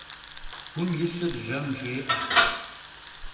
Gum yilhır jem jjê'e.